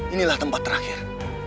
inilah tempat terakhir